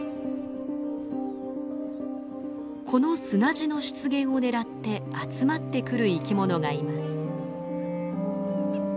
この砂地の出現を狙って集まってくる生き物がいます。